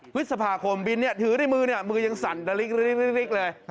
วิทยาภาคมบินเนี่ยถือได้มือเนี่ยมือยังสั่นดะลิ๊กเลย